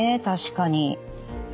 確かに。